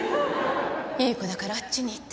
いい子だからあっちに行ってて。